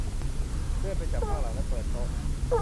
เลื่อนไปจับข้างหลังและเปิดโต๊ะ